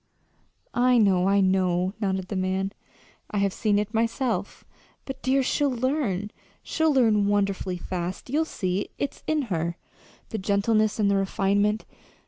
"I know, I know," nodded the man. "I have seen it myself. But, dear, she'll learn she'll learn wonderfully fast. You'll see. It's in her the gentleness and the refinement.